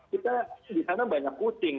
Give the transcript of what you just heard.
kita di sana banyak puting